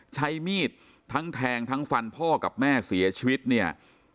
ใช้มีดทั้งแทงทั้งฟันพ่อกับแม่เสียชีวิตเนี่ย